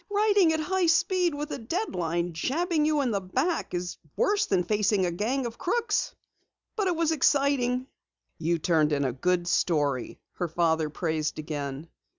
"Writing at high speed with a deadline jabbing you in the back is worse than facing a gang of crooks. But it was exciting." "You turned in a good story," her father praised again.